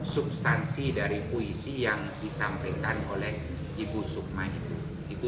substansi dari puisi yang disampaikan oleh ibu soekmawati